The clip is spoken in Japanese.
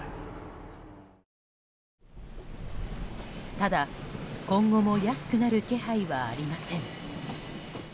ただ、今後も安くなる気配はありません。